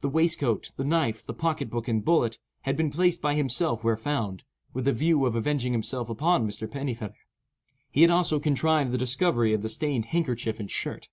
The waistcoat, the knife, the pocket book, and bullet, had been placed by himself where found, with the view of avenging himself upon Mr. Pennifeather. He had also contrived the discovery of the stained handkerchief and shirt.